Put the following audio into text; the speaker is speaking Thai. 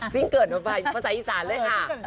ซิงเกิดมาฝากภาษาอีกศาลเลยค่ะ